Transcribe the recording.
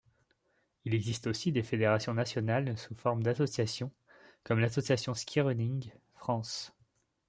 Il existe aussi des fédérations nationales sous forme d'associations comme l'association Skyrunning France.